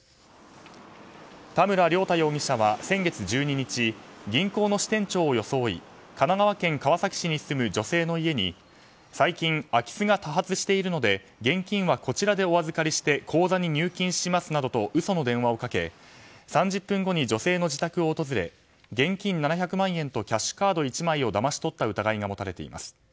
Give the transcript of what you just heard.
田村亮太容疑者は先月１２日銀行の支店長を装い神奈川県川崎市に住む女性の家に最近、空き巣が多発しているので現金はこちらでお預かりして口座に入金しますなどと嘘の電話をかけ３０分後に女性の自宅を訪れ現金７００万円とキャッシュカード１枚をだまし取った疑いが持たれています。